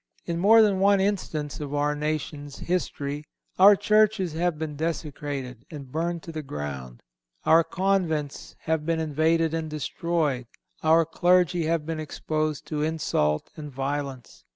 In more than one instance of our nation's history our churches have been desecrated and burned to the ground; our convents have been invaded and destroyed; our clergy have been exposed to insult and violence.